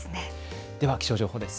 では気象情報です。